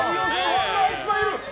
ファンがいっぱいいる。